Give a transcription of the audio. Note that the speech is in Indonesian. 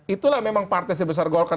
itulah memang partai sebesar golkar